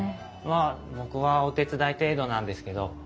まあ僕はお手伝い程度なんですけど。